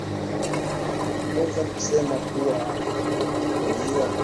Wameongeza kusema kuwa kuingia kwa Jamuhuri ya Demokrasia ya Kongo katika umoja wa afrika mashariki